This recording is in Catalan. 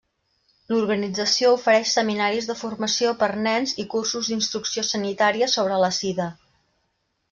L'organització ofereix seminaris de formació per nens i cursos d'instrucció sanitària sobre la Sida.